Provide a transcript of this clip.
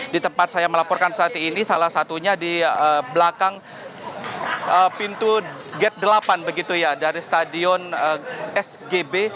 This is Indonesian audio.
di tempat saya melaporkan saat ini salah satunya di belakang pintu gate delapan begitu ya dari stadion sgb